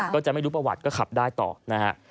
ก็จะไม่รู้ประวัติก็ขับได้ต่อนะฮะ